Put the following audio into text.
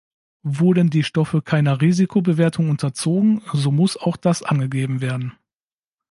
Wurden die Stoffe keiner Risikobewertung unterzogen, so muss auch das angegeben werden.